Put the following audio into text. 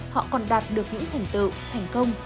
họ còn đạt được những thành tựu thành công